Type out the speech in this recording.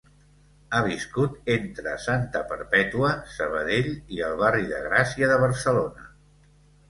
Ha viscut entre Santa Perpètua, Sabadell i el barri de Gràcia de Barcelona.